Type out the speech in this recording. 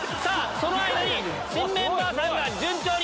その間に新メンバーさんが順調に。